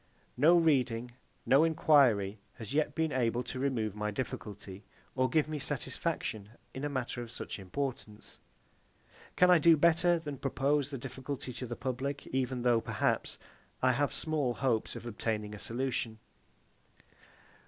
No reading, no enquiry has yet been able to remove my difficulty, or give me satisfaction in a matter of such importance. Can I do better than propose the difficulty to the public, even though, perhaps, I have small hopes of obtaining a solution?